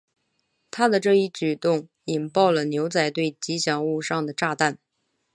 他的这一举动引爆了牛仔队吉祥物上的炸弹。